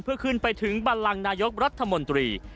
เพื่อขึ้นไปถึงบันลังนายกรัฐมนตรี